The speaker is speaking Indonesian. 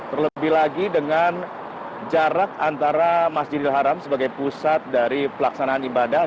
terlebih lagi dengan jarak antara masjidil haram sebagai pusat dari pelaksanaan ibadah